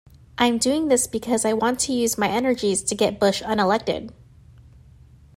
I'm doing this because I want to use my energies to get Bush unelected.